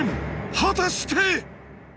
果たして！